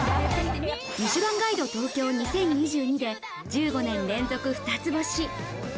『ミシュランガイド東京２０２２』で１５年連続二つ星。